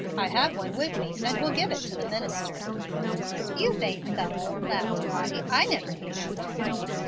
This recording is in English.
I have one with me, and will give it to the minister." "You vain fellow," laughed Lottie. "I never gave you one."